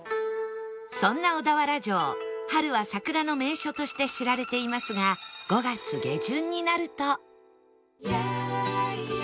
そんな小田原城春は桜の名所として知られていますが５月下旬になると